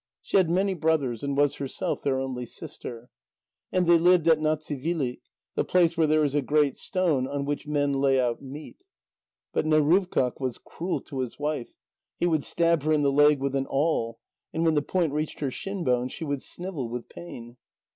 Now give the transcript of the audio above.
She had many brothers, and was herself their only sister. And they lived at Natsivilik, the place where there is a great stone on which men lay out meat. But Neruvkâq was cruel to his wife; he would stab her in the leg with an awl, and when the point reached her shinbone, she would snivel with pain.